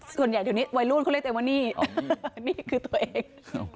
ส่วนใหญ่เดี๋ยวนี้วัยร่วมเขาเรียกได้ว่าหนี้หนี้คือตัวเอง